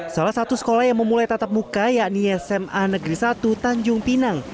salah satu sekolah yang memulai tatap muka yakni sma negeri satu tanjung pinang